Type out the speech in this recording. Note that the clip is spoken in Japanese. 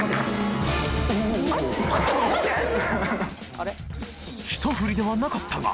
あれ？